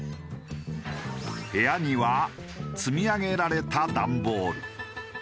部屋には積み上げられた段ボール。